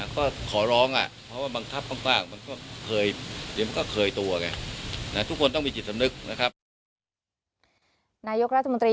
ก็ขอร้องเพราะว่าบังคับต่าง